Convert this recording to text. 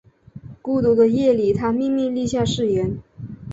孤独的夜里他秘密立下誓言